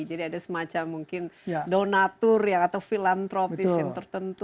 jadi ada semacam mungkin donatur atau filantropis yang tertentu